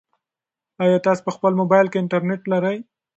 ایا تاسي په خپل موبایل کې انټرنيټ لرئ؟